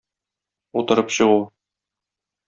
Утырып чыгу.